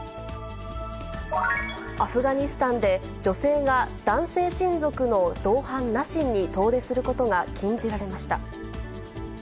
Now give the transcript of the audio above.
アフガニスタンで、女性が男性親族の同伴なしに遠出することが禁じられました。